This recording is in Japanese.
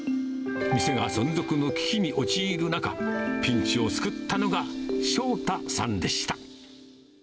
店が存続の危機に陥る中、ピンチを救ったのが、翔太さんでした。